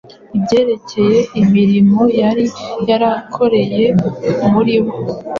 ibyerekeye imirimo yari yarakoreye muri bo,